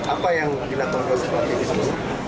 apa yang dilakukan konservatif itu